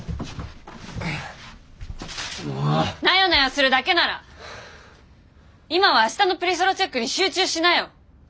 なよなよするだけなら今は明日のプリソロチェックに集中しなよ。